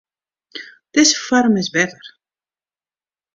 Dizze foarm is better.